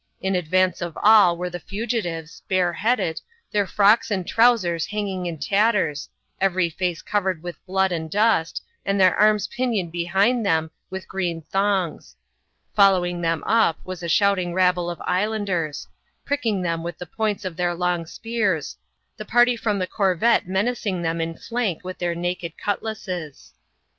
In advance of all were the fugitives — bareheaded ^ their frocks and trowsers hanging in tatters, every face covered with blood and dust, and their arms pinioned behind them with green tbongg. Following them up, was a shoutMig T«L\>\Aft ^i \a\a.ud«ra^ CHAP.Y.] WHAT HAPPENED AT HYTYHOO. 81 pricking them with the points of their long spears, the party {rem the corvette menacing them in flank with their naked cutlasses.